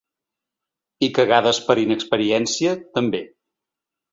I cagades per inexperiència, també.